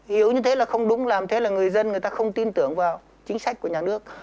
hiểu như thế là không đúng làm thế là người dân không tin tưởng vào chính sách của nhà nước